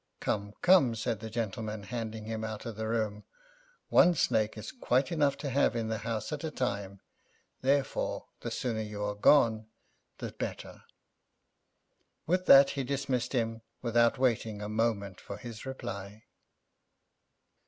"Come, come," said the old gentleman, handing him out of the room, "one snake is quite enough to have in the house at a time, therefore the sooner you are gone the better;" with that he dismissed him, without waiting a moment for his reply.